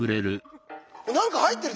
何か入ってる？